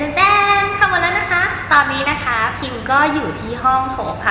แต่แต่คำว่าแล้วนะคะตอนนี้นะคะกิมก็อยู่ที่ห้องหกค่ะ